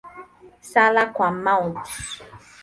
Sala kwa Mt.